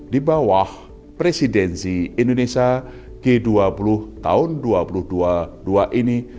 di bawah presidensi indonesia g dua puluh tahun dua ribu dua puluh dua ini